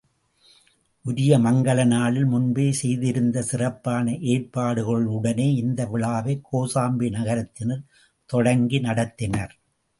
உரிய மங்கல நாளில் முன்பே செய்திருந்த சிறப்பான ஏற்பாடுகளுடனே இந்த விழாவைக் கோசாம்பி நகரத்தினர் தொடங்கி நடத்தினர்.